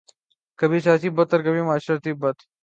کبھی سیاسی بت اور کبھی معاشرتی بت